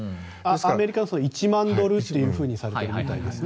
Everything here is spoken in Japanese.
アメリカは１万ドルとされているみたいですね。